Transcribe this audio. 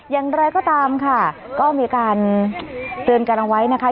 อย่างไรก็ตามค่ะก็มีการเตือนกันเอาไว้นะคะ